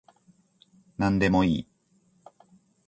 なんでもいい